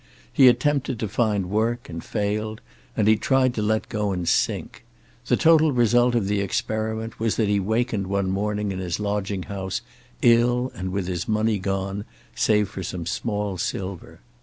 He attempted to find work and failed, and he tried to let go and sink. The total result of the experiment was that he wakened one morning in his lodging house ill and with his money gone, save for some small silver.